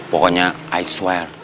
pokoknya i swear